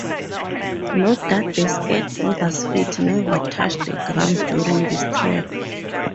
Note that the skateboarder's feet never touch the ground during this trick.